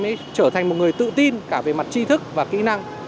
phải giúp cho các em ấy trở thành một người tự tin cả về mặt tri thức và kỹ năng